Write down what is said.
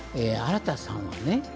あらたさんはね